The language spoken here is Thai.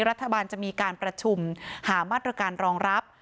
รัฐบาลจะมีการประชุมหามาตรการรองรับ